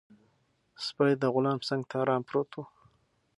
سپی د غلام څنګ ته ارام پروت و.